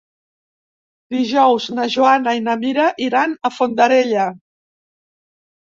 Dijous na Joana i na Mira iran a Fondarella.